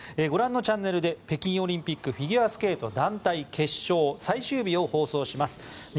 ご覧のチャンネルで北京オリンピックフィギュアスケート団体決勝最終日を放送します。